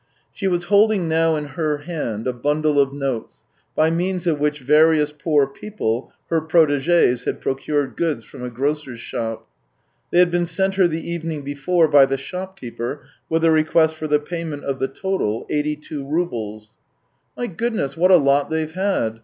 She was holding now in her hand a bundle of notes, by means of which various poor people, her proteges, had procured goods from a grocer's shop. They had been sent her the evening before by the shopkeeper with a request for the payment of the total — eighty two roubles. " My goodness, what a lot they've had